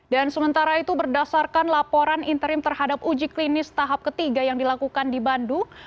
dan sementara itu berdasarkan laporan interim terhadap uji klinis tahap ketiga yang dilakukan di bandung